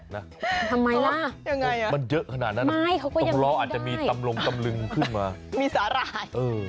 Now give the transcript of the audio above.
ทำไมล่ะมันเยอะขนาดนั้นตรงล้ออาจจะมีตำรงตำลึงขึ้นมามีสาหร่าย